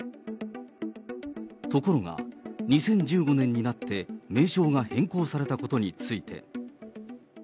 ところが、２０１５年になって、名称が変更されたことについて。